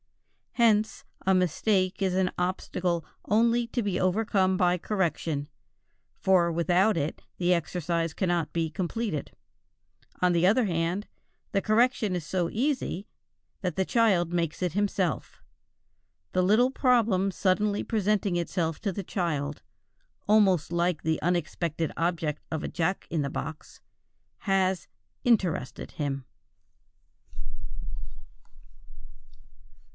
Hence a mistake is an obstacle only to be overcome by correction, for without it the exercise cannot be completed. On the other hand, the correction is so easy that the child makes it himself. The little problem suddenly presenting itself to the child, almost like the unexpected object of a jack in the box, has "interested" him.